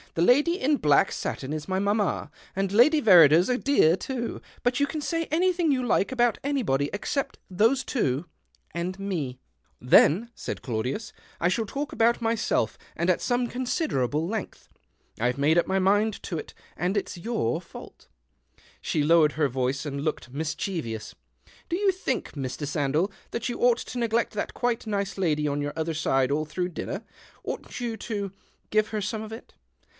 The lady in black satin is my mamma, and Lady Verrider's a dear too. But you can say anything you like about anybody except those two — and me." " Then," said Claudius, " I shall talk about 164 THE OCTAVE OF CLAUDIUS. myself, and at some considerable lengtli. I've made up my mind to it, and it's your fault." Slie lowered her voice and looked mis chievous. " Do you think, Mr. Sandell, that you ought to neglect that quite nice lady on your other side all through dinner ? Oughtn't you to — to — give her some of it